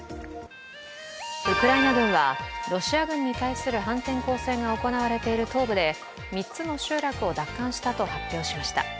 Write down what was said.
ウクライナ軍はロシア軍に対する反転攻勢が行われている東部で３つの集落を奪還したと発表しました。